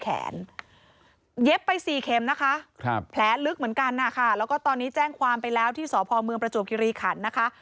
เย็บไป๔เข็มนะคะแผลลึกเหมือนกันนะคะแล้วก็ตอนนี้แจ้งความไปแล้วที่สพเมืองประจวบคิริขันนะคะ